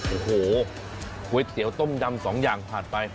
โอ้โหก๋วยเตี๋ยวต้มยำสองอย่างผ่านไป